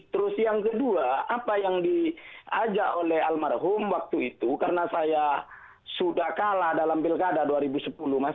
terus yang kedua apa yang diajak oleh almarhum waktu itu karena saya sudah kalah dalam pilkada dua ribu sepuluh mas